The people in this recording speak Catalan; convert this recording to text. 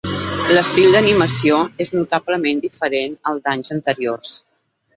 L'estil d'animació és notablement diferent al d'anys anteriors.